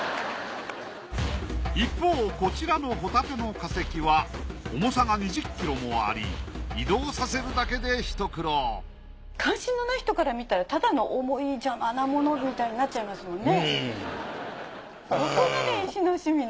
一方こちらのホタテの化石は重さが２０ｋｇもあり移動させるだけで一苦労関心のない人から見たらただの重い邪魔なものみたいになっちゃいますもんね。